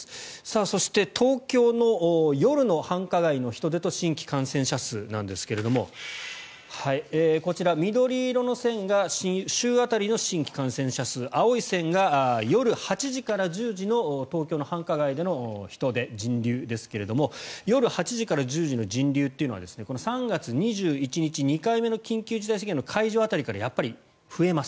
そして東京の夜の繁華街の人出と新規感染者数なんですがこちら、緑色の線が週当たりの新規感染者数青い線が夜８時から１０時の東京の繁華街での人出人流ですが夜８時から１０時までの人流はこの３月２１日、２回目の緊急事態宣言の解除辺りからやっぱり増えます。